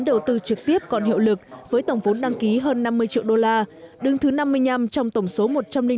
đầu tư trực tiếp còn hiệu lực với tổng vốn đăng ký hơn năm mươi triệu đô la đứng thứ năm mươi năm trong tổng số